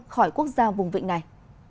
khỏi quốc gia vùng vịnh này